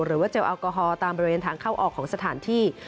เจลแอลกอฮอล์ตามบริเวณทางเข้าออกของสถานที่